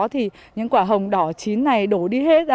thì những quả hồng đỏ chín này đổ đi hết